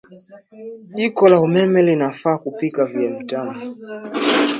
jiko la umeme linafaa kupika viazi lishe